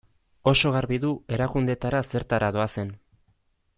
Oso garbi du erakundeetara zertara doazen.